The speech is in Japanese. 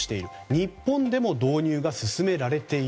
日本でも導入が進められている。